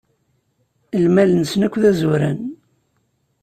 Lmal-nsen akk d azuran.